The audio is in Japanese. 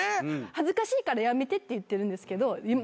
恥ずかしいからやめてって言ってるんですけどそれで。